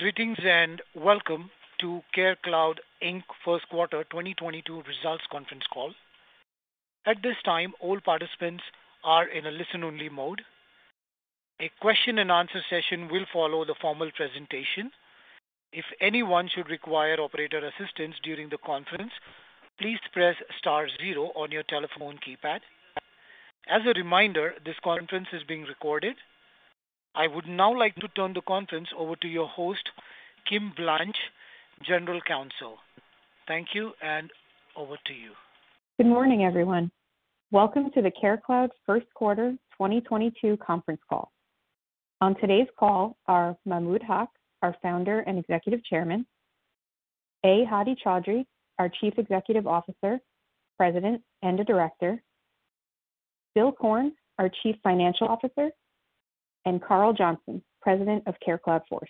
Greetings and welcome to CareCloud, Inc. first quarter 2022 results conference call. At this time, all participants are in a listen-only mode. A question and answer session will follow the formal presentation. If anyone should require operator assistance during the conference, please press star zero on your telephone keypad. As a reminder, this conference is being recorded. I would now like to turn the conference over to your host, Kimberly Blanch, General Counsel. Thank you, and over to you. Good morning, everyone. Welcome to the CareCloud first quarter 2022 conference call. On today's call are Mahmud Haq, our Founder and Executive Chairman, A. Hadi Chaudhry, our Chief Executive Officer, President, and Director, Bill Korn, our Chief Financial Officer, and Karl Johnson, President of CareCloud Force.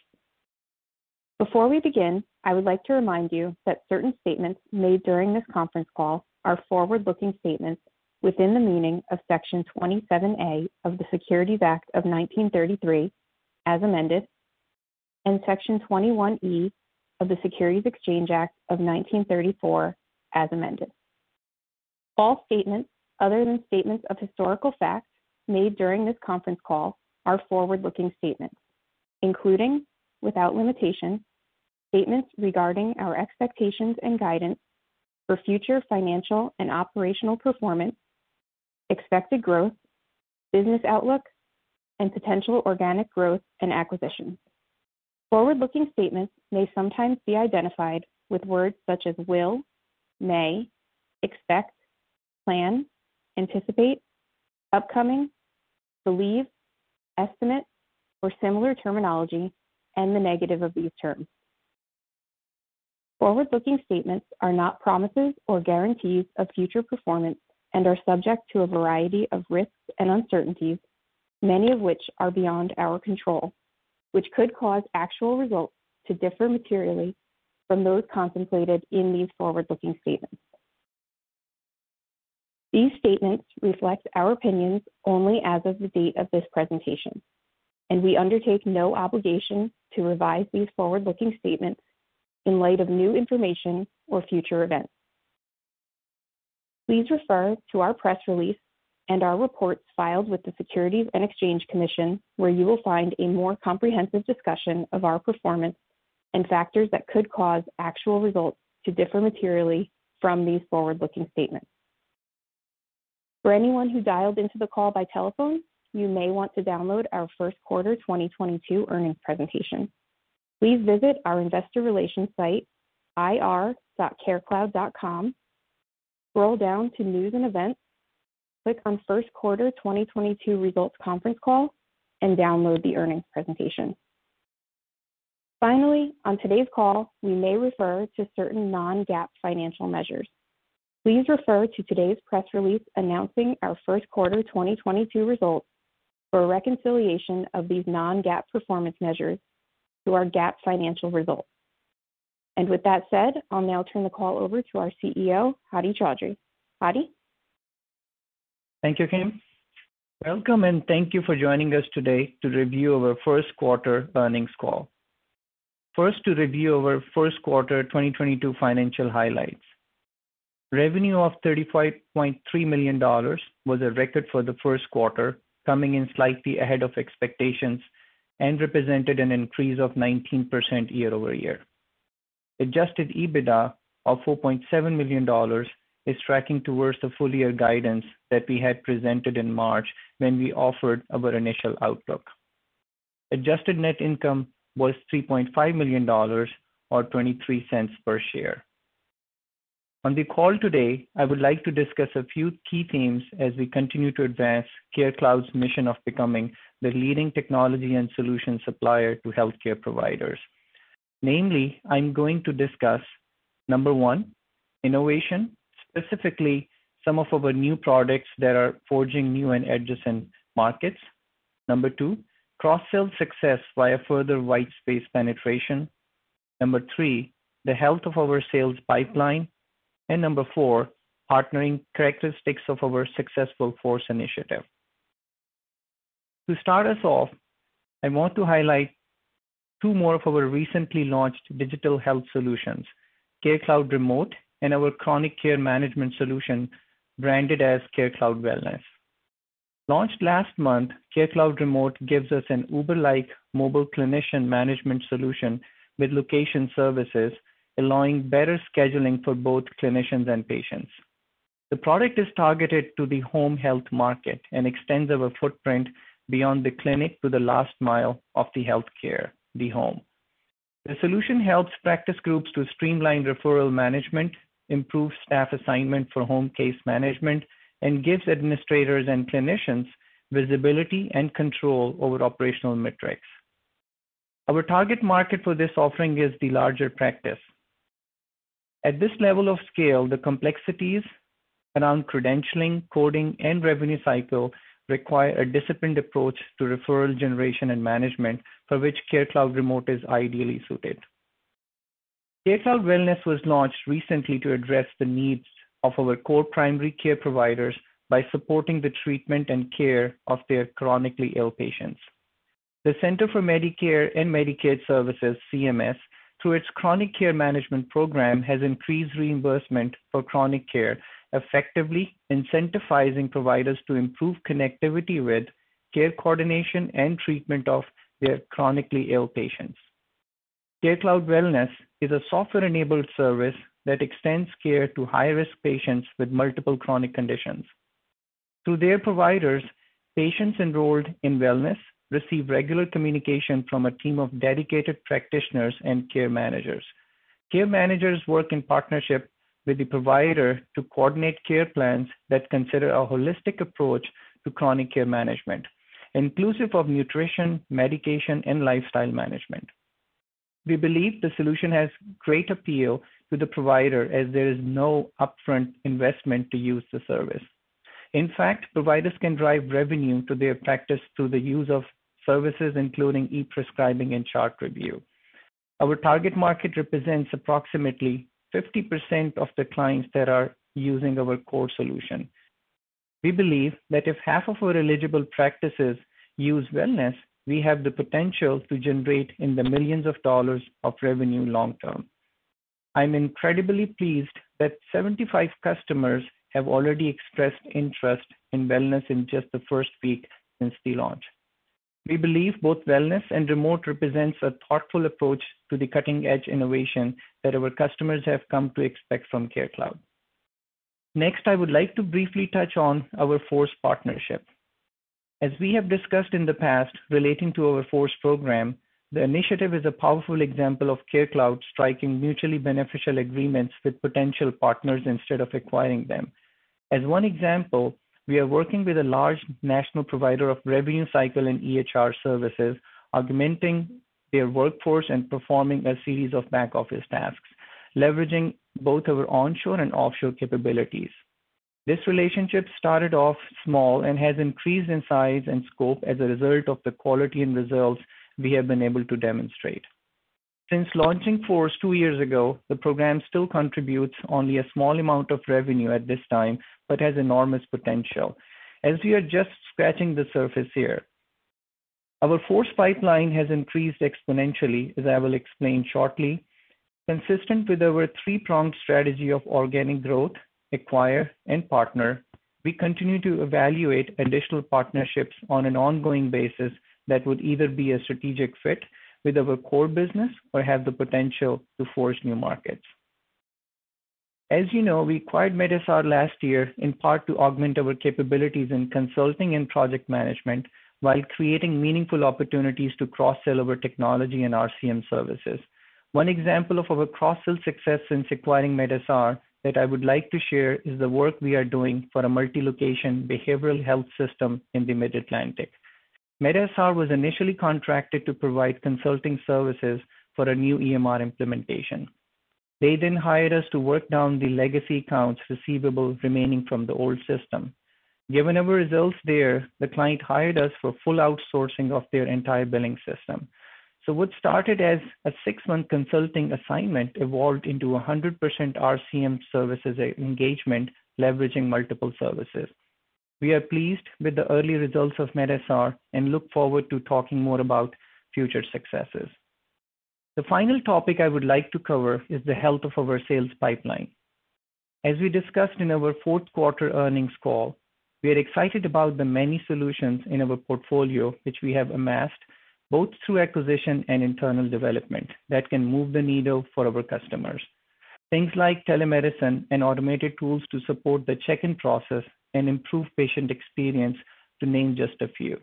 Before we begin, I would like to remind you that certain statements made during this conference call are forward-looking statements within the meaning of Section 27A of the Securities Act of 1933, as amended, and Section 21E of the Securities Exchange Act of 1934, as amended. All statements other than statements of historical facts made during this conference call are forward-looking statements, including, without limitation, statements regarding our expectations and guidance for future financial and operational performance, expected growth, business outlook, and potential organic growth and acquisitions. Forward-looking statements may sometimes be identified with words such as will, may, expect, plan, anticipate, upcoming, believe, estimate, or similar terminology, and the negative of these terms. Forward-looking statements are not promises or guarantees of future performance and are subject to a variety of risks and uncertainties, many of which are beyond our control, which could cause actual results to differ materially from those contemplated in these forward-looking statements. These statements reflect our opinions only as of the date of this presentation, and we undertake no obligation to revise these forward-looking statements in light of new information or future events. Please refer to our press release and our reports filed with the Securities and Exchange Commission, where you will find a more comprehensive discussion of our performance and factors that could cause actual results to differ materially from these forward-looking statements. For anyone who dialed into the call by telephone, you may want to download our first quarter 2022 earnings presentation. Please visit our investor relations site, ir.carecloud.com, scroll down to News and Events, click on First Quarter 2022 Results Conference Call, and download the earnings presentation. Finally, on today's call, we may refer to certain non-GAAP financial measures. Please refer to today's press release announcing our first quarter 2022 results for a reconciliation of these non-GAAP financial measures to our GAAP financial results. With that said, I'll now turn the call over to our CEO, Hadi Chaudhry. Hadi? Thank you, Kim. Welcome and thank you for joining us today to review our first quarter earnings call. First, to review our first quarter 2022 financial highlights. Revenue of $35.3 million was a record for the first quarter, coming in slightly ahead of expectations and represented an increase of 19% year-over-year. Adjusted EBITDA of $4.7 million is tracking towards the full year guidance that we had presented in March when we offered our initial outlook. Adjusted net income was $3.5 million or 0.23 per share. On the call today, I would like to discuss a few key themes as we continue to advance CareCloud's mission of becoming the leading technology and solution supplier to healthcare providers. Namely, I'm going to discuss, number one, innovation, specifically some of our new products that are forging new and adjacent markets. Number two, cross-sell success via further white space penetration. Number three, the health of our sales pipeline. Number four, partnering characteristics of our successful Force initiative. To start us off, I want to highlight two more of our recently launched digital health solutions, CareCloud Remote and our chronic care management solution branded as CareCloud Wellness. Launched last month, CareCloud Remote gives us an Uber-like mobile clinician management solution with location services, allowing better scheduling for both clinicians and patients. The product is targeted to the home health market and extends our footprint beyond the clinic to the last mile of the healthcare, the home. The solution helps practice groups to streamline referral management, improve staff assignment for home case management, and gives administrators and clinicians visibility and control over operational metrics. Our target market for this offering is the larger practice. At this level of scale, the complexities around credentialing, coding, and revenue cycle require a disciplined approach to referral generation and management for which CareCloud Remote is ideally suited. CareCloud Wellness was launched recently to address the needs of our core primary care providers by supporting the treatment and care of their chronically ill patients. The Centers for Medicare & Medicaid Services, CMS, through its chronic care management program, has increased reimbursement for chronic care, effectively incentivizing providers to improve connectivity with care coordination and treatment of their chronically ill patients. CareCloud Wellness is a software-enabled service that extends care to high-risk patients with multiple chronic conditions. Through their providers, patients enrolled in Wellness receive regular communication from a team of dedicated practitioners and care managers. Care managers work in partnership with the provider to coordinate care plans that consider a holistic approach to chronic care management, inclusive of nutrition, medication, and lifestyle management. We believe the solution has great appeal to the provider as there is no upfront investment to use the service. In fact, providers can drive revenue to their practice through the use of services, including e-prescribing and chart review. Our target market represents approximately 50% of the clients that are using our core solution. We believe that if half of our eligible practices use Wellness, we have the potential to generate in the millions of dollars revenue long term. I'm incredibly pleased that 75 customers have already expressed interest in Wellness in just the first week since the launch. We believe both Wellness and Remote represents a thoughtful approach to the cutting-edge innovation that our customers have come to expect from CareCloud. Next, I would like to briefly touch on our Force partnership. As we have discussed in the past relating to our Force program, the initiative is a powerful example of CareCloud striking mutually beneficial agreements with potential partners instead of acquiring them. As one example, we are working with a large national provider of revenue cycle and EHR services, augmenting their workForce and performing a series of back-office tasks, leveraging both our onshore and offshore capabilities. This relationship started off small and has increased in size and scope as a result of the quality and results we have been able to demonstrate. Since launching Force two years ago, the program still contributes only a small amount of revenue at this time, but has enormous potential as we are just scratching the surface here. Our Force pipeline has increased exponentially, as I will explain shortly. Consistent with our three-pronged strategy of organic growth, acquire, and partner, we continue to evaluate additional partnerships on an ongoing basis that would either be a strategic fit with our core business or have the potential to forge new markets. As you know, we acquired MedSR last year in part to augment our capabilities in consulting and project management while creating meaningful opportunities to cross-sell our technology and RCM services. One example of our cross-sell success since acquiring MedSR that I would like to share is the work we are doing for a multi-location behavioral health system in the Mid-Atlantic. MedSR was initially contracted to provide consulting services for a new EMR implementation. They then hired us to work down the legacy accounts receivable remaining from the old system. Given our results there, the client hired us for full outsourcing of their entire billing system. What started as a six-month consulting assignment evolved into a 100% RCM services engagement leveraging multiple services. We are pleased with the early results of MedSR and look forward to talking more about future successes. The final topic I would like to cover is the health of our sales pipeline. As we discussed in our fourth quarter earnings call, we are excited about the many solutions in our portfolio which we have amassed, both through acquisition and internal development, that can move the needle for our customers. Things like telemedicine and automated tools to support the check-in process and improve patient experience, to name just a few.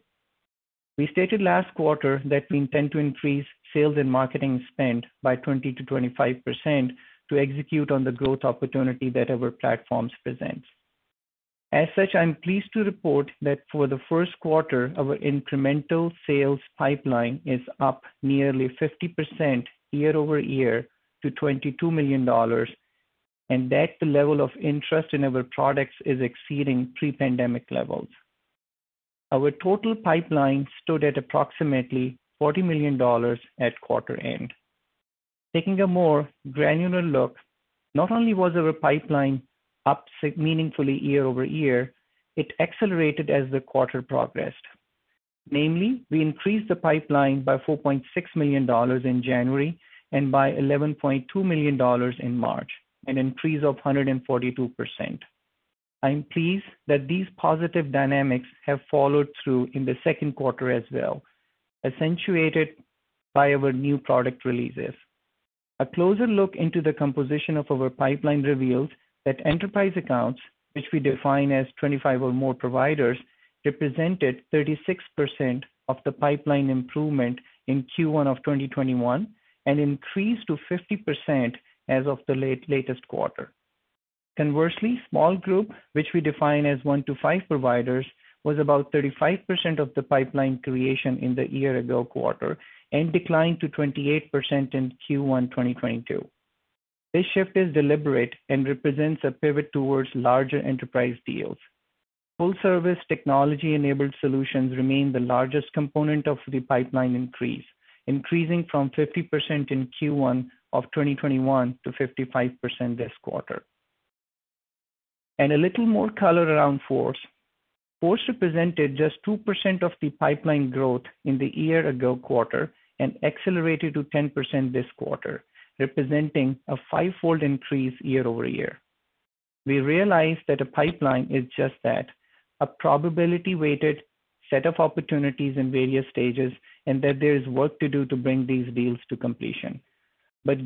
We stated last quarter that we intend to increase sales and marketing spend by 20-25% to execute on the growth opportunity that our platforms present. As such, I'm pleased to report that for the first quarter, our incremental sales pipeline is up nearly 50% year-over-year to $22 million, and that the level of interest in our products is exceeding pre-pandemic levels. Our total pipeline stood at approximately $40 million at quarter end. Taking a more granular look, not only was our pipeline up meaningfully year-over-year, it accelerated as the quarter progressed. Namely, we increased the pipeline by $4.6 million in January and by $11.2 million in March, an increase of 142%. I'm pleased that these positive dynamics have followed through in the second quarter as well, accentuated by our new product releases. A closer look into the composition of our pipeline reveals that enterprise accounts, which we define as 25 or more providers, represented 36% of the pipeline improvement in Q1 of 2021 and increased to 50% as of the latest quarter. Conversely, small group, which we define as one-five providers, was about 35% of the pipeline creation in the year-ago-quarter and declined to 28% in Q1, 2022. This shift is deliberate and represents a pivot towards larger enterprise deals. Full service technology-enabled solutions remain the largest component of the pipeline increase, increasing from 50% in Q1 of 2021 to 55% this quarter. A little more color around Force. Force represented just 2% of the pipeline growth in the year-ago quarter and accelerated to 10% this quarter, representing a five-fold increase year-over-year. We realize that a pipeline is just that, a probability weighted set of opportunities in various stages, and that there is work to do to bring these deals to completion.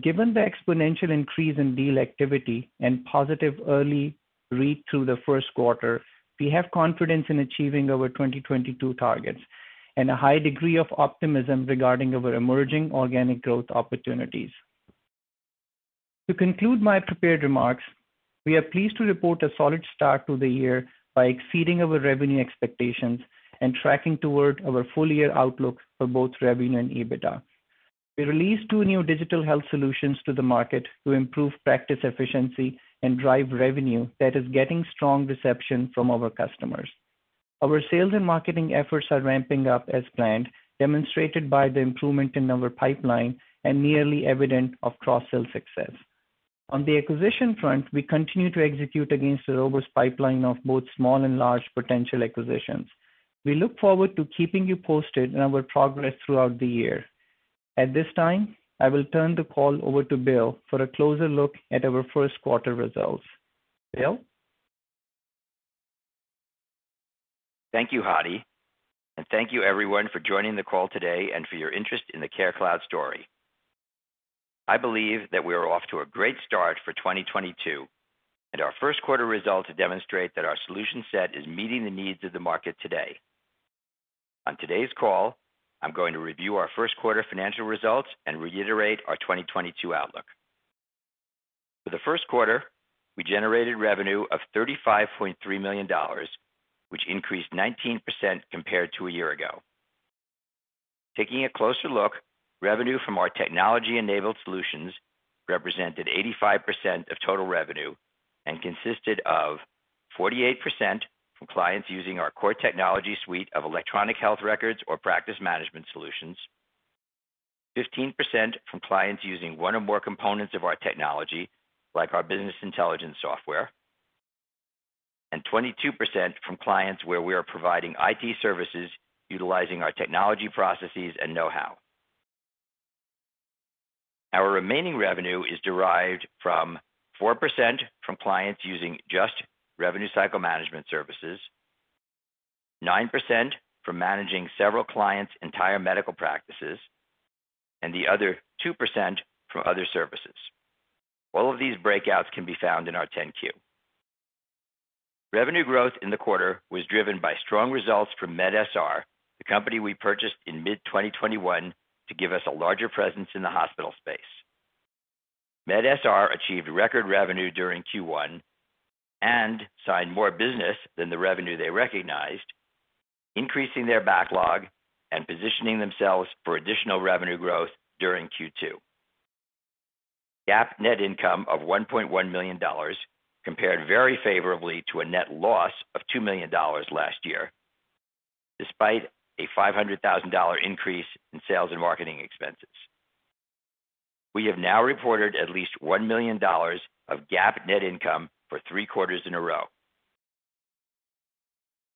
Given the exponential increase in deal activity and positive early read through the first quarter, we have confidence in achieving our 2022 targets and a high degree of optimism regarding our emerging organic growth opportunities. To conclude my prepared remarks, we are pleased to report a solid start to the year by exceeding our revenue expectations and tracking toward our full year outlook for both revenue and EBITDA. We released two new digital health solutions to the market to improve practice efficiency and drive revenue that is getting strong reception from our customers. Our sales and marketing efforts are ramping up as planned, demonstrated by the improvement in our pipeline and an early evidence of cross-sell success. On the acquisition front, we continue to execute against a robust pipeline of both small and large potential acquisitions. We look forward to keeping you posted on our progress throughout the year. At this time, I will turn the call over to Bill for a closer look at our first quarter results. Bill? Thank you, Hadi, and thank you everyone for joining the call today and for your interest in the CareCloud story. I believe that we are off to a great start for 2022, and our first quarter results demonstrate that our solution set is meeting the needs of the market today. On today's call, I'm going to review our first quarter financial results and reiterate our 2022 outlook. For the first quarter, we generated revenue of $35.3 million, which increased 19% compared to a year ago. Taking a closer look, revenue from our technology-enabled solutions represented 85% of total revenue and consisted of 48% from clients using our core technology suite of electronic health records or practice management solutions. 15% from clients using one or more components of our technology, like our business intelligence software. 22% from clients where we are providing IT services utilizing our technology processes and know-how. Our remaining revenue is derived from 4% from clients using just revenue cycle management services. 9% from managing several clients' entire medical practices, and the other 2% from other services. All of these breakouts can be found in our 10-Q. Revenue growth in the quarter was driven by strong results from MedSR, the company we purchased in mid-2021 to give us a larger presence in the hospital space. MedSR achieved record revenue during Q1 and signed more business than the revenue they recognized, increasing their backlog and positioning themselves for additional revenue growth during Q2. GAAP net income of $1.1 million compared very favorably to a net loss of $2 million last year, despite a $500,000 increase in sales and marketing expenses. We have now reported at least $1 million of GAAP net income for three quarters in a row.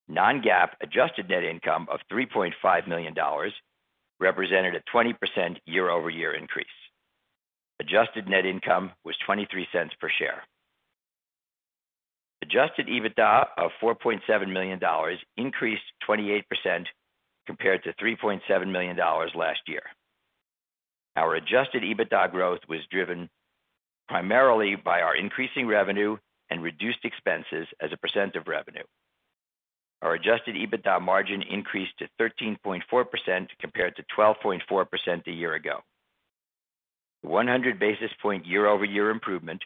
Non-GAAP adjusted net income of $3.5 million represented a 20% year-over-year increase. Adjusted net income was 0.23 per share. Adjusted EBITDA of $4.7 million increased 28% compared to $3.7 million last year. Our adjusted EBITDA growth was driven primarily by our increasing revenue and reduced expenses as a percent of revenue. Our adjusted EBITDA margin increased to 13.4% compared to 12.4% a year ago. 100 basis points year-over-year improvement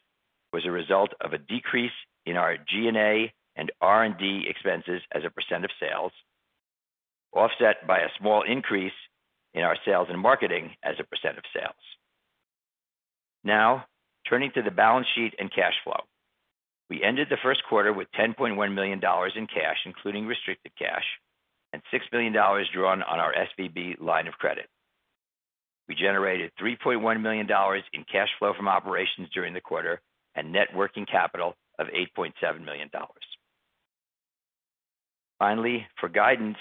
was a result of a decrease in our G&A and R&D expenses as a percent of sales, offset by a small increase in our sales and marketing as a percent of sales. Now, turning to the balance sheet and cash flow. We ended the first quarter with $10.1 million in cash, including restricted cash, and $6 million drawn on our SVB line of credit. We generated $3.1 million in cash flow from operations during the quarter and net working capital of $8.7 million. Finally, for guidance,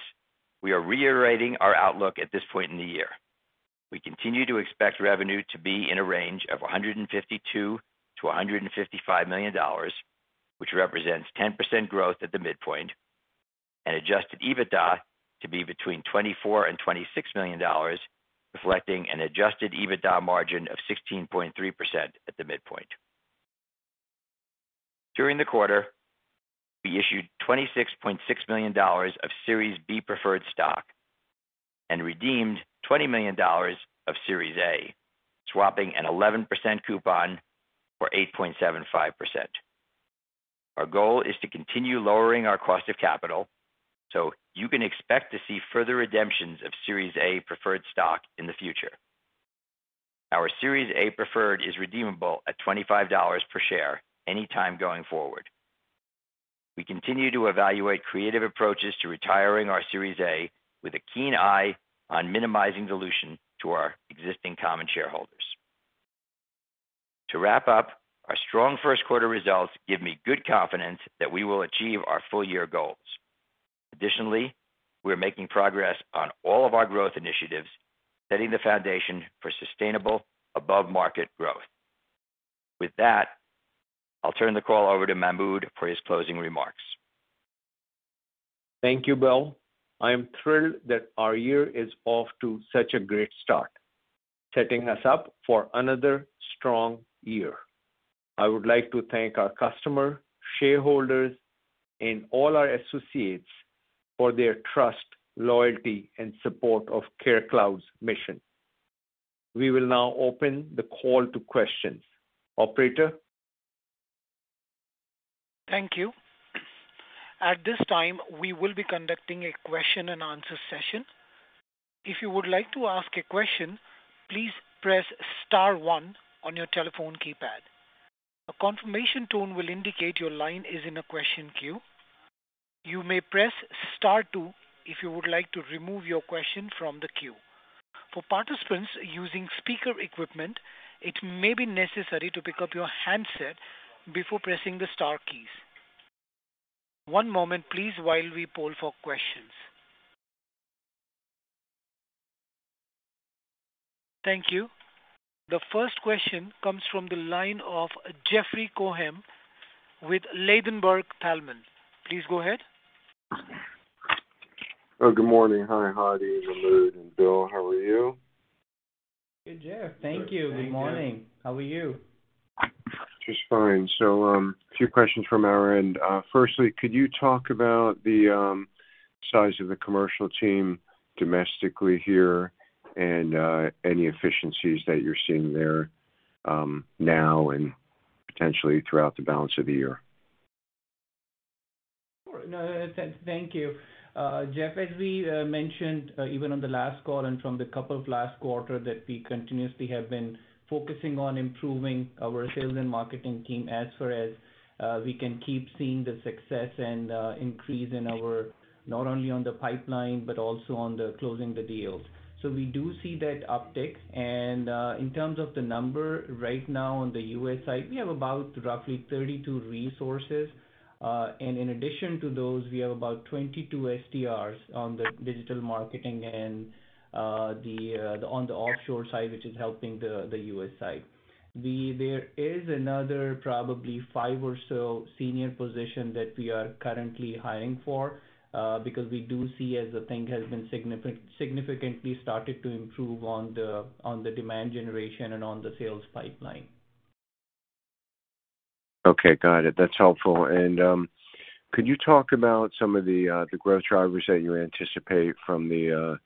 we are reiterating our outlook at this point in the year. We continue to expect revenue to be in a range of $152 million-$155 million, which represents 10% growth at the midpoint, and adjusted EBITDA to be between $24 million-$26 million, reflecting an adjusted EBITDA margin of 16.3% at the midpoint. During the quarter, we issued $26.6 million of Series B preferred stock and redeemed $20 million of Series A, swapping an 11% coupon for 8.75%. Our goal is to continue lowering our cost of capital, so you can expect to see further redemptions of Series A preferred stock in the future. Our Series A preferred is redeemable at $25 per share any time going forward. We continue to evaluate creative approaches to retiring our Series A with a keen eye on minimizing dilution to our existing common shareholders. To wrap up, our strong first quarter results give me good confidence that we will achieve our full year goals. Additionally, we are making progress on all of our growth initiatives, setting the foundation for sustainable above-market growth. With that, I'll turn the call over to Mahmud for his closing remarks. Thank you, Bill. I am thrilled that our year is off to such a great start, setting us up for another strong year. I would like to thank our customer, shareholders, and all our associates for their trust, loyalty, and support of CareCloud's mission. We will now open the call to questions. Operator? Thank you. At this time, we will be conducting a question and answer session. If you would like to ask a question, please press star one on your telephone keypad. A confirmation tone will indicate your line is in a question queue. You may press star two if you would like to remove your question from the queue. For participants using speaker equipment, it may be necessary to pick up your handset before pressing the star keys. One moment please while we poll for questions. Thank you. The first question comes from the line of Jeffrey Cohen with Ladenburg Thalmann. Please go ahead. Oh, good morning. Hi, Hadi, Mahmud, and Bill. How are you? Hey, Jeff. Thank you. Good morning. How are you? Just fine. A few questions from our end. Firstly, could you talk about the size of the commercial team domestically here and any efficiencies that you're seeing there now and potentially throughout the balance of the year? No. Thank you. Jeff, as we mentioned, even on the last call and from the couple of last quarter that we continuously have been focusing on improving our sales and marketing team as far as we can keep seeing the success and increase in our, not only on the pipeline but also on the closing the deals. We do see that uptick. In terms of the number right now on the U.S. side, we have about roughly 32 resources. In addition to those, we have about 22 SDRs on the digital marketing and on the offshore side, which is helping the U.S. Side. There is another probably five or so senior position that we are currently hiring for, because we do see as the thing has been significantly started to improve on the demand generation and on the sales pipeline. Okay, got it. That's helpful. Could you talk about some of the growth drivers that you anticipate from the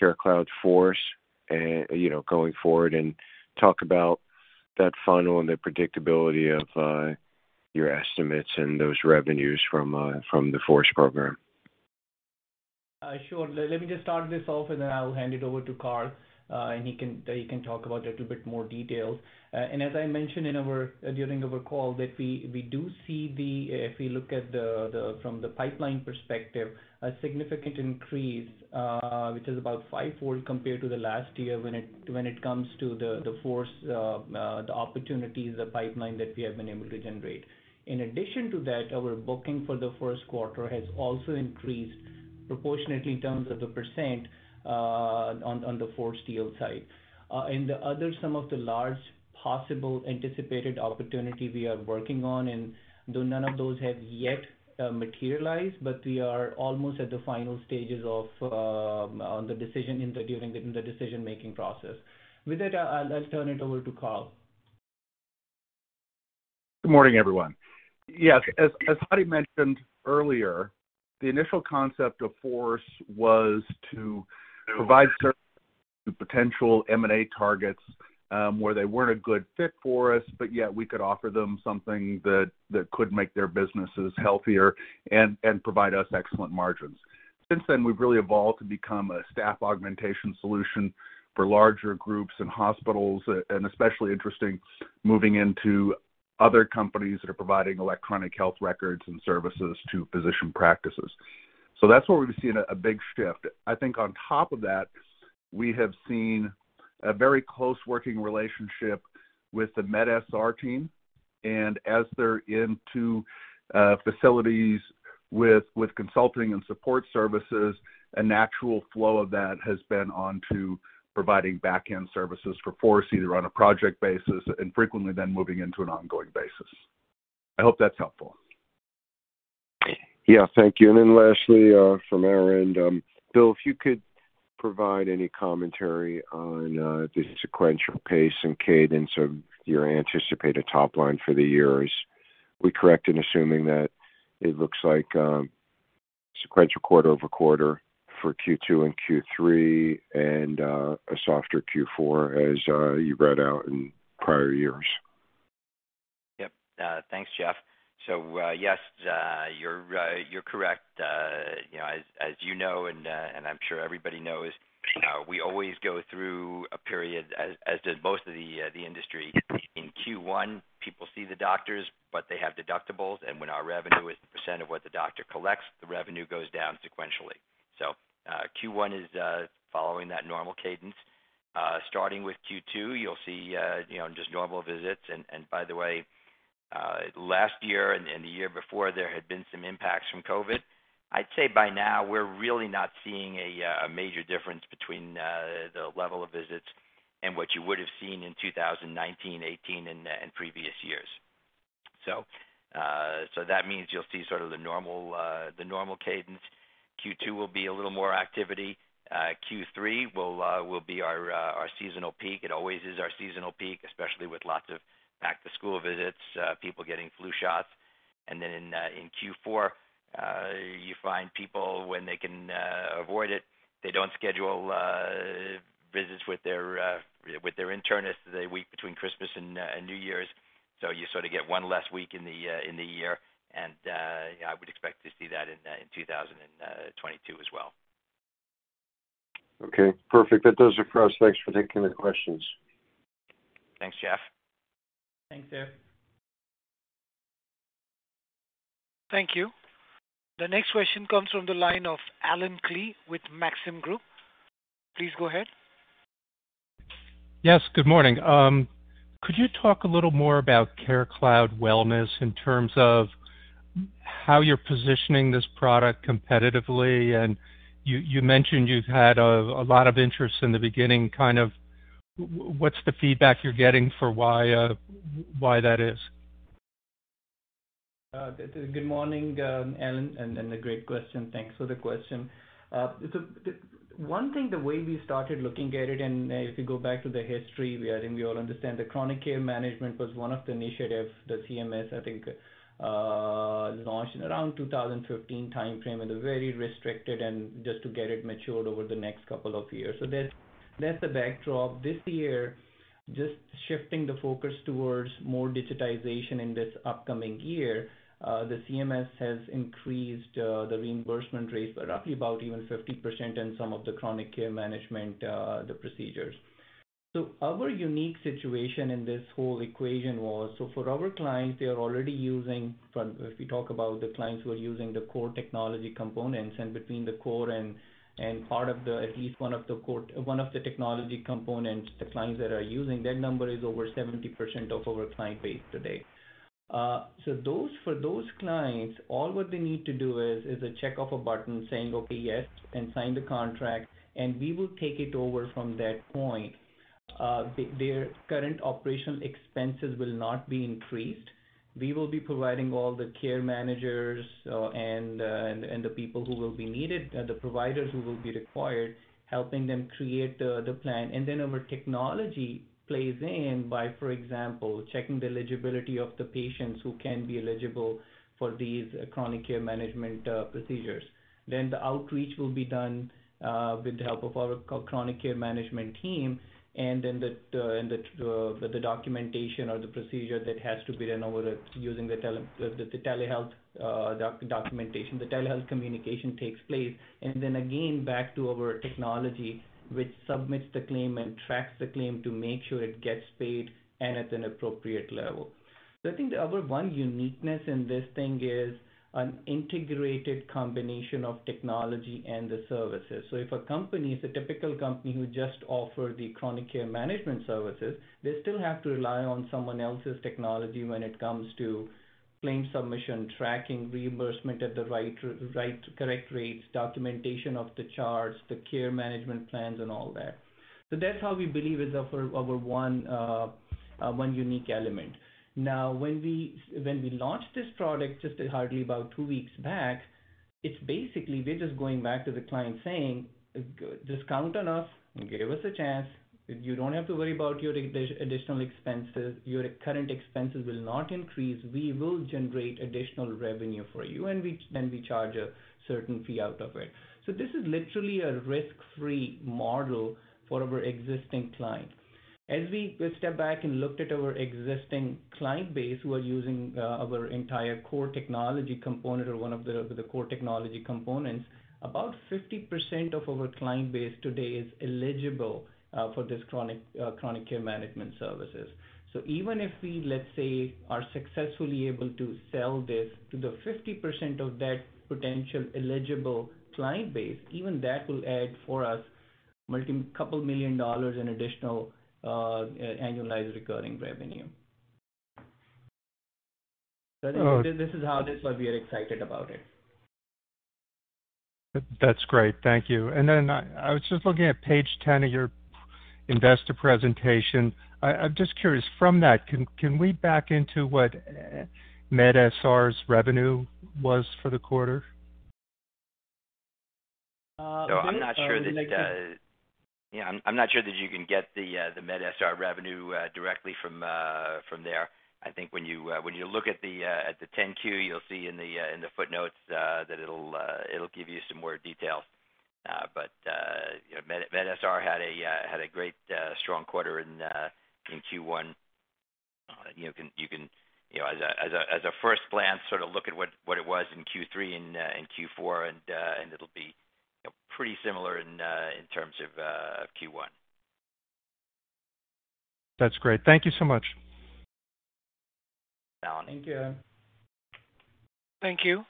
CareCloud Force, you know, going forward? Talk about that funnel and the predictability of your estimates and those revenues from the Force program. Sure. Let me just start this off, and then I'll hand it over to Karl, and he can talk about it in a bit more detail. As I mentioned during our call, we do see, if we look at it from the pipeline perspective, a significant increase, which is about fivefold compared to the last year when it comes to the Force, the opportunities, the pipeline that we have been able to generate. In addition to that, our booking for the first quarter has also increased proportionately in terms of the percent on the Force deal side. The other some of the large possible anticipated opportunity we are working on, though none of those have yet materialized, but we are almost at the final stages of on the decision during the decision-making process. With that, I'll turn it over to Karl. Good morning, everyone. Yes, as Hadi mentioned earlier, the initial concept of Force was to provide certain potential M and A targets, where they weren't a good fit for us, but yet we could offer them something that could make their businesses healthier and provide us excellent margins. Since then, we've really evolved to become a staff augmentation solution for larger groups and hospitals, and especially interesting moving into other companies that are providing electronic health records and services to physician practices. That's where we've seen a big shift. I think on top of that, we have seen a very close working relationship with the MedSR team. As they're into facilities with consulting and support services, a natural flow of that has been on to providing back-end services for Force, either on a project basis, and frequently then moving into an ongoing basis. I hope that's helpful. Yeah, thank you. Lastly, from our end, Bill, if you could provide any commentary on the sequential pace and cadence of your anticipated top line for the year. Are we correct in assuming that it looks like sequential quarter-over-quarter for Q2 and Q3 and a softer Q4 as you read out in prior years? Yep. Thanks, Jeff. Yes, you're correct. You know, as you know, and I'm sure everybody knows, we always go through a period as does most of the industry. In Q1, people see the doctors, but they have deductibles. When our revenue is a percent of what the doctor collects, the revenue goes down sequentially. Q1 is following that normal cadence. Starting with Q2, you'll see you know, just normal visits. By the way, last year and the year before, there had been some impacts from COVID. I'd say by now, we're really not seeing a major difference between the level of visits and what you would have seen in 2019, 2018, and previous years. That means you'll see sort of the normal cadence. Q2 will be a little more activity. Q3 will be our seasonal peak. It always is our seasonal peak, especially with lots of back-to-school visits, people getting flu shots. In Q4, you find people when they can avoid it, they don't schedule visits with their internist the week between Christmas and New Year's. You sort of get one less week in the year. I would expect to see that in 2022 as well. Okay, perfect. That does it for us. Thanks for taking the questions. Thanks, Jeff. Thanks, Jeff. Thank you. The next question comes from the line of Allen Klee with Maxim Group. Please go ahead. Yes, good morning. Could you talk a little more about CareCloud Wellness in terms of how you're positioning this product competitively? You mentioned you've had a lot of interest in the beginning. What's the feedback you're getting for why that is? Good morning, Allen, and a great question. Thanks for the question. One thing, the way we started looking at it, and if you go back to the history, I think we all understand that chronic care management was one of the initiatives that CMS, I think, launched in around 2015 timeframe, and they're very restricted and just to get it matured over the next couple of years. That's the backdrop. This year, just shifting the focus towards more digitization in this upcoming year, the CMS has increased the reimbursement rates by roughly about even 50% in some of the chronic care management the procedures. Our unique situation in this whole equation was, for our clients, they are already using... If we talk about the clients who are using the core technology components, at least one of the core technology components, the clients that are using, that number is over 70% of our client base today. For those clients, all what they need to do is click a button saying, okay, yes, and sign the contract, and we will take it over from that point. Their current operational expenses will not be increased. We will be providing all the care managers and the people who will be needed, the providers who will be required, helping them create the plan. Our technology plays in by, for example, checking the eligibility of the patients who can be eligible for these chronic care management procedures. The outreach will be done with the help of our chronic care management team. The documentation or the procedure that has to be done over the using the telehealth documentation. The telehealth communication takes place. Back to our technology, which submits the claim and tracks the claim to make sure it gets paid and at an appropriate level. I think the other one uniqueness in this thing is an integrated combination of technology and the services. If a typical company who just offer the chronic care management services, they still have to rely on someone else's technology when it comes to claim submission, tracking reimbursement at the right, correct rates, documentation of the charts, the care management plans, and all that. That's how we believe is our one unique element. Now, when we launched this product just hardly about two weeks back, it's basically we're just going back to the client saying, discount on us and give us a chance. You don't have to worry about your additional expenses. Your current expenses will not increase. We will generate additional revenue for you, and we charge a certain fee out of it. This is literally a risk-free model for our existing clients. As we stepped back and looked at our existing client base who are using our entire core technology component or one of the core technology components, about 50% of our client base today is eligible for this chronic care management services. Even if we, let's say, are successfully able to sell this to the 50% of that potential eligible client base, even that will add for us $2 million in additional annualized recurring revenue. Oh- This is how this, but we are excited about it. That's great. Thank you. I was just looking at page 10 of your investor presentation. I'm just curious, from that, can we back into what MedSR's revenue was for the quarter? Uh, let me- I'm not sure that you can get the MedSR revenue directly from there. I think when you look at the 10-Q, you'll see in the footnotes that it'll give you some more details. You know, MedSR had a great strong quarter in Q1. You know, you can, you know, as a first glance, sort of look at what it was in Q3 and in Q4, and it'll be, you know, pretty similar in terms of Q1. That's great. Thank you so much. Alan. Thank you. Thank you.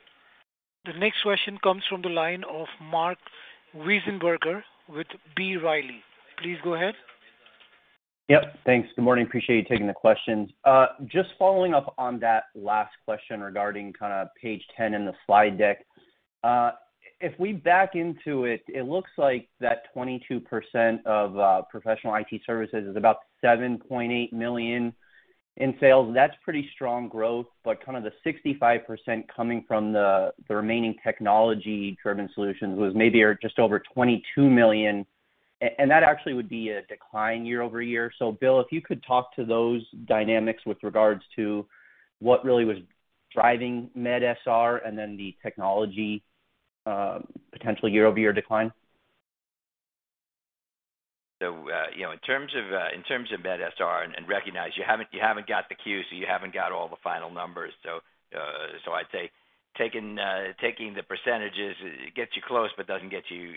The next question comes from the line of Marc Wiesenberger with B. Riley. Please go ahead. Thanks. Good morning. Appreciate you taking the questions. Just following up on that last question regarding kind of page 10 in the slide deck. If we back into it looks like that 22% of professional IT services is about 7.8 million in sales. That's pretty strong growth, but kind of the 65% coming from the remaining technology-driven solutions was maybe or just over 22 million. That actually would be a decline year-over-year. Bill, if you could talk to those dynamics with regards to what really was driving MedSR and then the technology potential year-over-year decline. You know, in terms of MedSR, recognize you haven't got the Q, so you haven't got all the final numbers. I'd say taking the percentages, it gets you close, but doesn't get you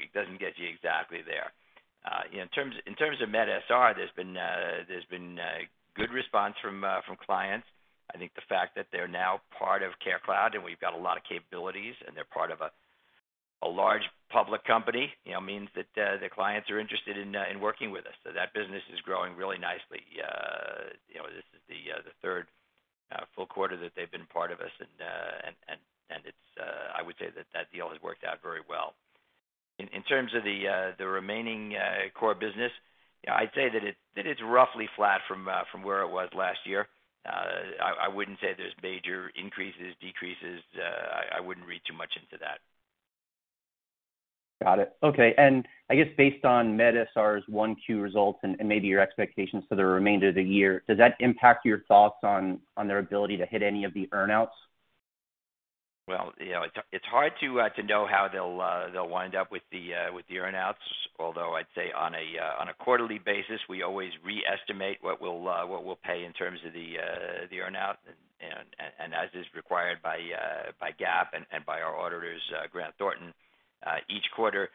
exactly there. In terms of MedSR, there's been good response from clients. I think the fact that they're now part of CareCloud, and we've got a lot of capabilities, and they're part of a large public company, you know, means that the clients are interested in working with us. That business is growing really nicely. You know, this is the third full quarter that they've been part of us. I would say that deal has worked out very well. In terms of the remaining core business, I'd say that it's roughly flat from where it was last year. I wouldn't say there's major increases, decreases. I wouldn't read too much into that. Got it. Okay. I guess based on MedSR's 1Q results and maybe your expectations for the remainder of the year, does that impact your thoughts on their ability to hit any of the earn outs? Well, you know, it's hard to know how they'll wind up with the earn outs. Although I'd say on a quarterly basis, we always re-estimate what we'll pay in terms of the earn out and as is required by GAAP and by our auditors, Grant Thornton. Each quarter,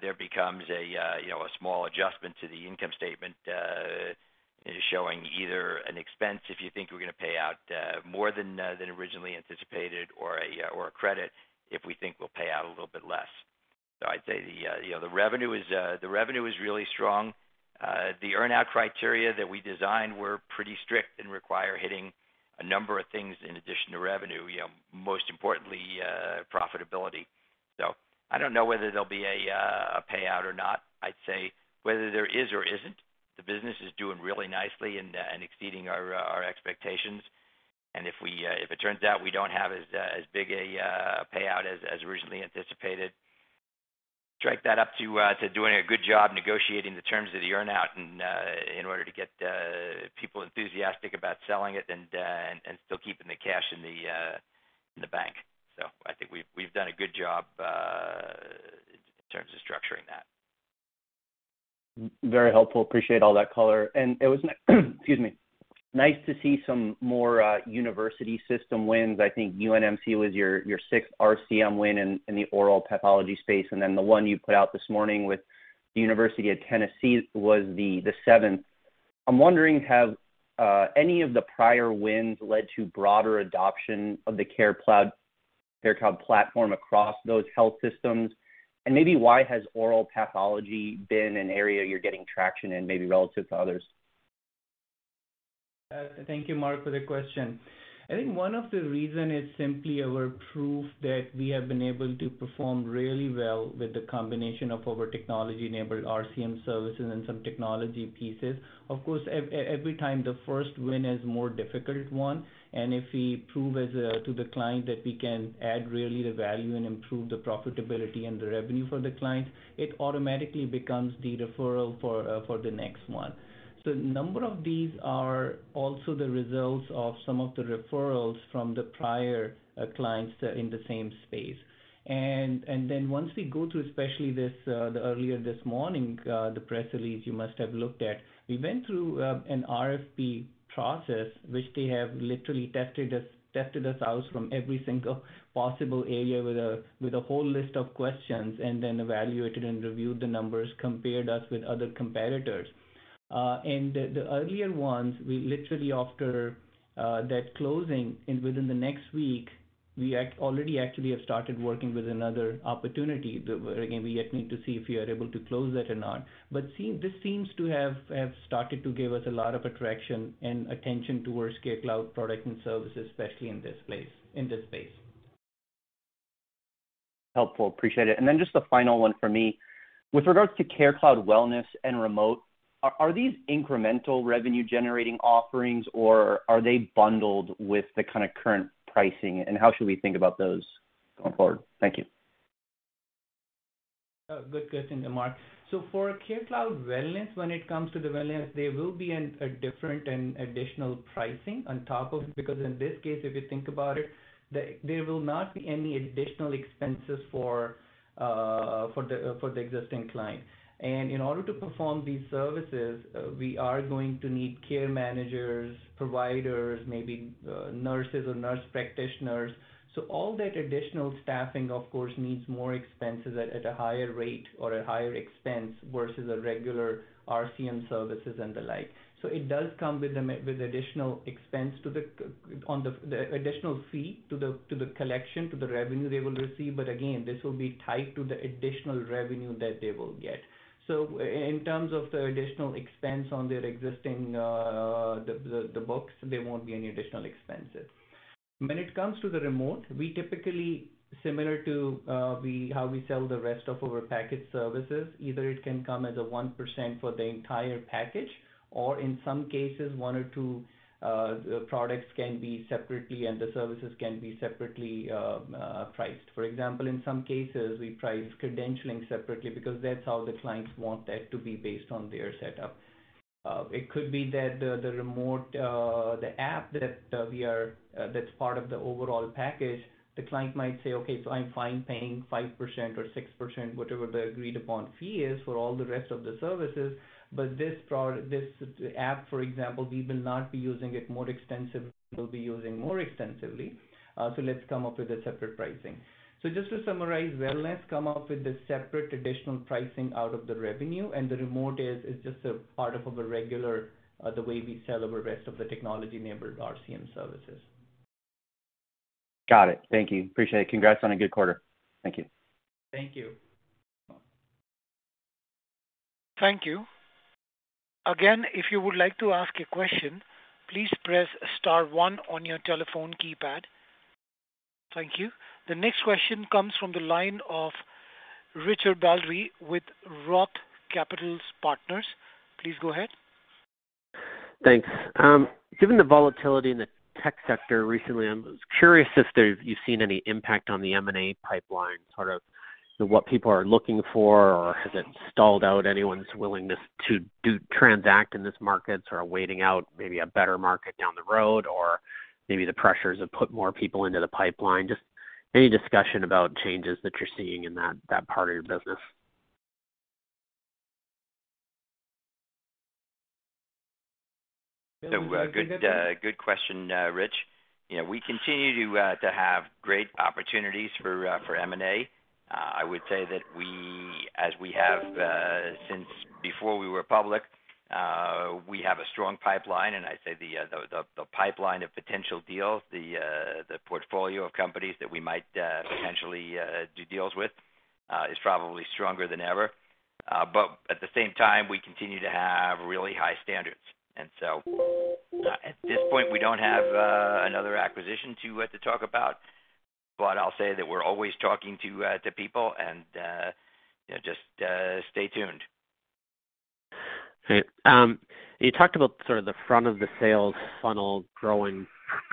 there becomes, you know, a small adjustment to the income statement showing either an expense if you think we're gonna pay out more than originally anticipated or a credit if we think we'll pay out a little bit less. I'd say you know the revenue is really strong. The earn-out criteria that we designed were pretty strict and require hitting a number of things in addition to revenue, you know, most importantly, profitability. I don't know whether there'll be a payout or not. I'd say whether there is or isn't, the business is doing really nicely and exceeding our expectations. If it turns out we don't have as big a payout as originally anticipated, strike that up to doing a good job negotiating the terms of the earn-out and in order to get people enthusiastic about selling it and still keeping the cash in the bank. I think we've done a good job in terms of structuring that. Very helpful. Appreciate all that color. It was nice to see some more university system wins. I think UNMC was your sixth RCM win in the oral pathology space, and then the one you put out this morning with the University of Tennessee was the seventh. I'm wondering, have any of the prior wins led to broader adoption of the CareCloud platform across those health systems? Maybe why has oral pathology been an area you're getting traction in, maybe relative to others? Thank you, Marc, for the question. I think one of the reason is simply our proof that we have been able to perform really well with the combination of our technology-enabled RCM services and some technology pieces. Of course, every time the first win is more difficult one, and if we prove to the client that we can add really the value and improve the profitability and the revenue for the client, it automatically becomes the referral for the next one. Number of these are also the results of some of the referrals from the prior clients in the same space. Once we go through, especially this, earlier this morning, the press release you must have looked at, we went through an RFP process, which they have literally tested us out from every single possible area with a whole list of questions and then evaluated and reviewed the numbers, compared us with other competitors. The earlier ones, we literally, after that closing and within the next week, we already actually have started working with another opportunity that we yet need to see if we are able to close that or not. This seems to have started to give us a lot of traction and attention towards CareCloud product and services, especially in this space. Helpful. Appreciate it. Just the final one for me. With regards to CareCloud Wellness and CareCloud Remote, are these incremental revenue generating offerings, or are they bundled with the kinda current pricing, and how should we think about those going forward? Thank you. Good question, Tamar. For CareCloud Wellness, when it comes to the wellness, there will be a different and additional pricing on top of it, because in this case, if you think about it, there will not be any additional expenses for the existing client. In order to perform these services, we are going to need care managers, providers, maybe nurses or nurse practitioners. All that additional staffing, of course, needs more expenses at a higher rate or a higher expense versus a regular RCM services and the like. It does come with additional expense to the additional fee to the collection, to the revenue they will receive. Again, this will be tied to the additional revenue that they will get. In terms of the additional expense on their existing the books, there won't be any additional expenses. When it comes to the remote, we typically similar to how we sell the rest of our package services, either it can come as a 1% for the entire package or in some cases, one or two products can be separately and the services can be separately priced. For example, in some cases, we price credentialing separately because that's how the clients want that to be based on their setup. It could be that the remote the app that that's part of the overall package. The client might say, "Okay, so I'm fine paying 5% or 6%," whatever the agreed upon fee is for all the rest of the services. this app, for example, we'll be using more extensively, so let's come up with a separate pricing. Just to summarize, Wellness, come up with a separate additional pricing out of the revenue, and the remote is just a part of our regular, the way we sell the rest of the technology-enabled RCM services. Got it. Thank you. Appreciate it. Congrats on a good quarter. Thank you. Thank you. Thank you. Again, if you would like to ask a question, please press star one on your telephone keypad. Thank you. The next question comes from the line of Richard Baldry with Roth Capital Partners. Please go ahead. Thanks. Given the volatility in the tech sector recently, I'm curious if you've seen any impact on the M and A pipeline, sort of what people are looking for or has it stalled out anyone's willingness to do transact in this market or waiting out maybe a better market down the road, or maybe the pressures have put more people into the pipeline? Just any discussion about changes that you're seeing in that part of your business. Good question, Rich. You know, we continue to have great opportunities for M and A. I would say that, as we have since before we were public, we have a strong pipeline, and I'd say the pipeline of potential deals, the portfolio of companies that we might potentially do deals with is probably stronger than ever. But at the same time, we continue to have really high standards. At this point, we don't have another acquisition to talk about, but I'll say that we're always talking to people and, you know, just stay tuned. Great. You talked about sort of the front of the sales funnel growing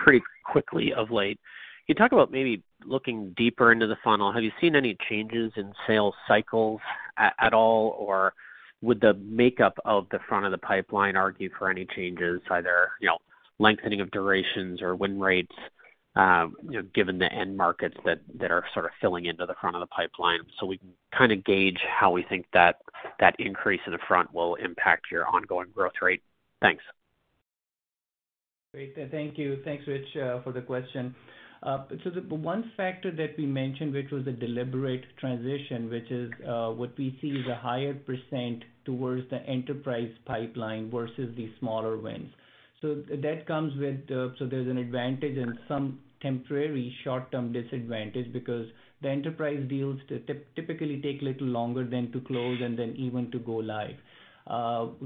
pretty quickly of late. Can you talk about maybe looking deeper into the funnel? Have you seen any changes in sales cycles at all, or would the makeup of the front of the pipeline argue for any changes, either, you know, lengthening of durations or win rates, you know, given the end markets that are sort of filling into the front of the pipeline, so we can kind of gauge how we think that increase in the front will impact your ongoing growth rate? Thanks. Great. Thank you. Thanks, Richard, for the question. The one factor that we mentioned, which was a deliberate transition, which is what we see is a higher percent towards the enterprise pipeline versus the smaller wins. That comes with, there's an advantage and some temporary short-term disadvantage because the enterprise deals typically take little longer to close and then even to go live,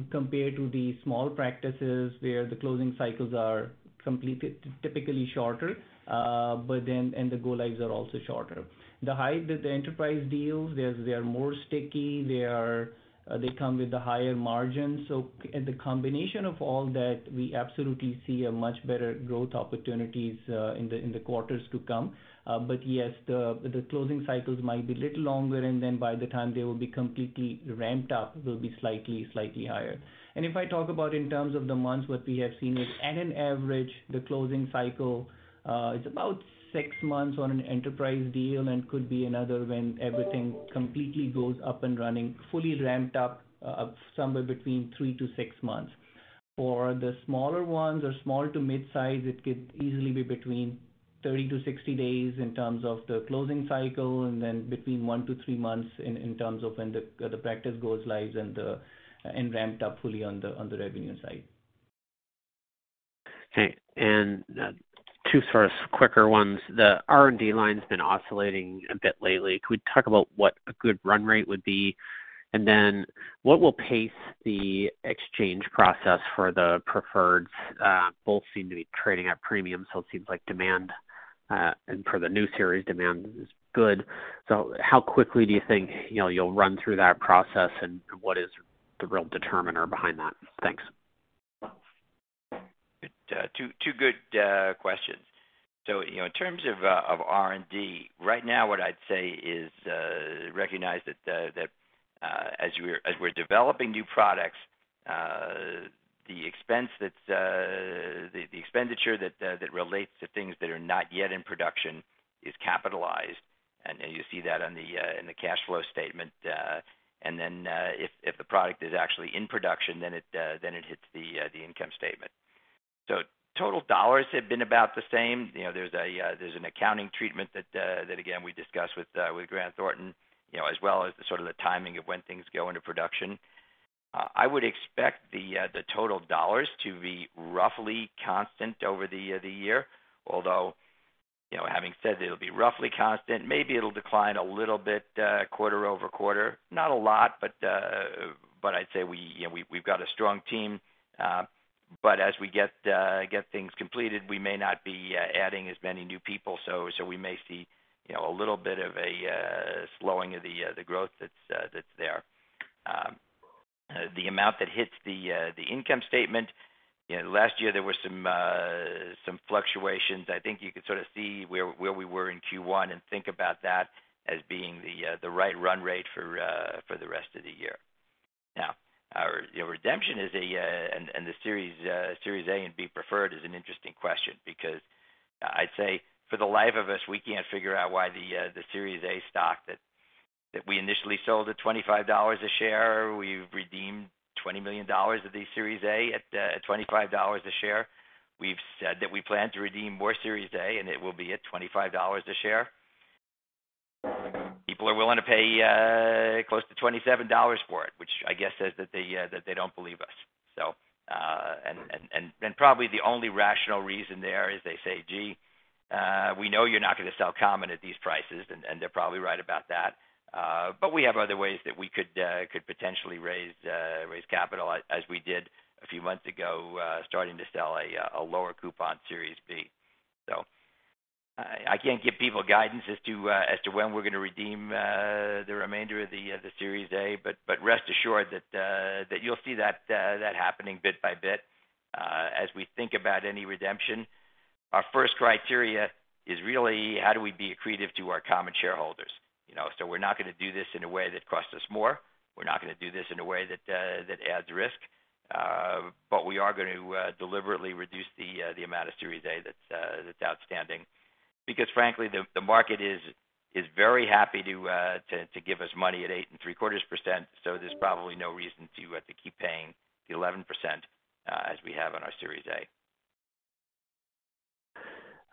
compared to the small practices where the closing cycles are completed typically shorter, but then and the go lives are also shorter. The enterprise deals, they are more sticky. They come with a higher margin. The combination of all that, we absolutely see much better growth opportunities in the quarters to come. Yes, the closing cycles might be a little longer, and then by the time they will be completely ramped up, will be slightly higher. If I talk about in terms of the months, what we have seen is at an average, the closing cycle is about six months on an enterprise deal and could be another when everything completely goes up and running, fully ramped up, somewhere between three-six months. For the smaller ones or small to mid-size, it could easily be between 30-60 days in terms of the closing cycle and then between one-three months in terms of when the practice goes live and ramped up fully on the revenue side. Okay. Two sort of quicker ones. The R&D line's been oscillating a bit lately. Could we talk about what a good run rate would be? What will pace the exchange process for the preferreds, both seem to be trading at premium, so it seems like demand, and for the new series, demand is good. How quickly do you think, you know, you'll run through that process and what is the real determiner behind that? Thanks. Two good questions. You know, in terms of R&D, right now what I'd say is recognize that as we're developing new products, the expense that's the expenditure that relates to things that are not yet in production is capitalized. You see that in the cash flow statement. Then, if the product is actually in production, then it hits the income statement. Total dollars have been about the same. You know, there's an accounting treatment that again we discussed with Grant Thornton, you know, as well as the timing of when things go into production. I would expect the total dollars to be roughly constant over the year, although, you know, having said that it'll be roughly constant, maybe it'll decline a little bit, quarter-over-quarter. Not a lot, but I'd say we, you know, we've got a strong team. As we get things completed, we may not be adding as many new people, so we may see, you know, a little bit of a slowing of the growth that's there. The amount that hits the income statement, you know, last year there were some fluctuations. I think you could sort of see where we were in Q1 and think about that as being the right run rate for the rest of the year. Now, our you know redemption of the Series A and Series B preferred is an interesting question because I'd say for the life of us, we can't figure out why the Series A stock that we initially sold at $25 a share, we've redeemed $20 million of these Series A at $25 a share. We've said that we plan to redeem more Series A, and it will be at $25 a share. People are willing to pay close to $27 for it, which I guess says that they don't believe us. Probably the only rational reason there is they say, "Gee, we know you're not gonna sell common at these prices," and they're probably right about that. We have other ways that we could potentially raise capital, as we did a few months ago, starting to sell a lower coupon Series B. I can't give people guidance as to when we're gonna redeem the remainder of the Series A, but rest assured that you'll see that happening bit by bit. As we think about any redemption, our first criteria is really how do we be accretive to our common shareholders, you know? We're not gonna do this in a way that costs us more. We're not gonna do this in a way that adds risk. We are going to deliberately reduce the amount of Series A that's outstanding. Because frankly, the market is very happy to give us money at 8.75%, so there's probably no reason to keep paying the 11% as we have on our Series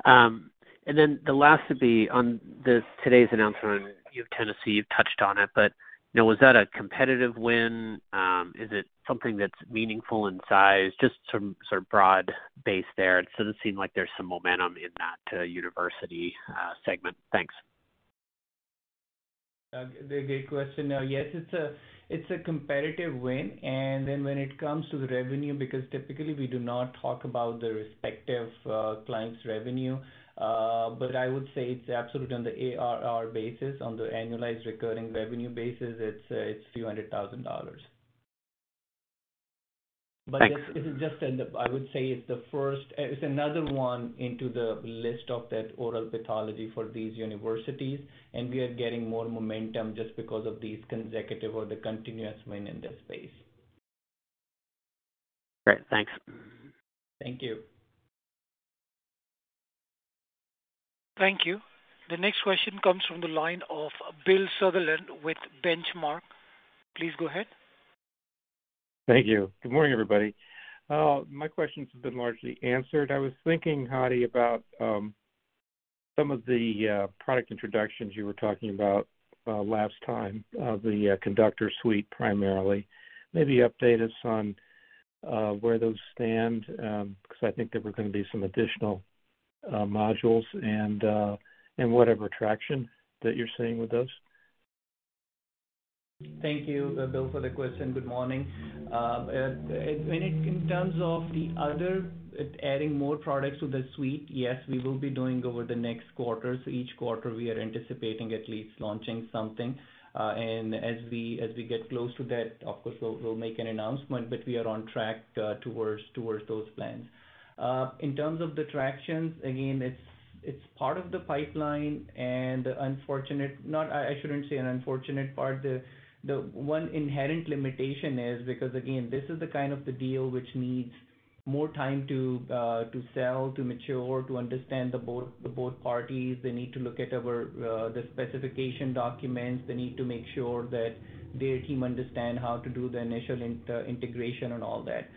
A. The last would be on today's announcement on University of Tennessee. You've touched on it, but you know, was that a competitive win? Is it something that's meaningful in size? Just some sort of broad base there. It doesn't seem like there's some momentum in that university segment. Thanks. Great question. Yes, it's a competitive win. When it comes to the revenue, because typically we do not talk about the respective clients' revenue, but I would say it's absolutely on the ARR basis, on the annualized recurring revenue basis, it's a few hundred thousand dollars. Thanks. It's another one into the list of that oral pathology for these universities, and we are getting more momentum just because of these consecutive or the continuous win in this space. Great. Thanks. Thank you. Thank you. The next question comes from the line of Bill Sutherland with Benchmark. Please go ahead. Thank you. Good morning, everybody. My questions have been largely answered. I was thinking, Hadi, about some of the product introductions you were talking about last time, the Conductor suite primarily. Maybe update us on where those stand, 'cause I think there were gonna be some additional modules and whatever traction that you're seeing with those. thank you, Bill, for the question. Good morning. In t erms of the other adding more products to the suite, yes, we will be doing over the next quarters. Each quarter, we are anticipating at least launching something. As we get close to that, of course, we'll make an announcement, but we are on track towards those plans. In terms of the tractions, again, it's part of the pipeline. I shouldn't say an unfortunate part. The one inherent limitation is because, again, this is the kind of the deal which needs more time to sell, to mature, to understand both parties. They need to look at our the specification documents. They need to make sure that their team understand how to do the initial integration and all that.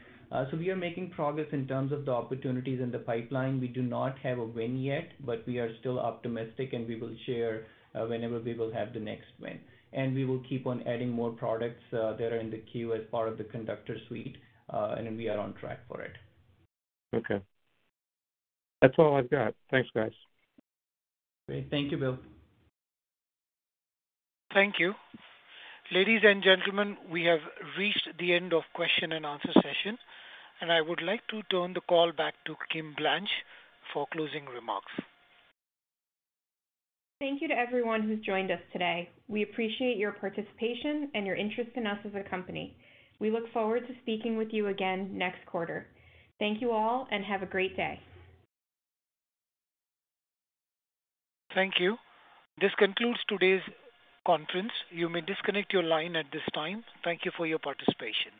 We are making progress in terms of the opportunities in the pipeline. We do not have a win yet, but we are still optimistic, and we will share whenever we will have the next win. We will keep on adding more products that are in the queue as part of the Conductor suite, and we are on track for it. Okay. That's all I've got. Thanks, guys. Great. Thank you, Bill. Thank you. Ladies and gentlemen, we have reached the end of question and answer session, and I would like to turn the call back to Kimberly Blanch for closing remarks. Thank you to everyone who's joined us today. We appreciate your participation and your interest in us as a company. We look forward to speaking with you again next quarter. Thank you all, and have a great day. Thank you. This concludes today's conference. You may disconnect your line at this time. Thank you for your participation.